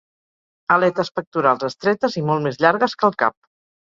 Aletes pectorals estretes i molt més llargues que el cap.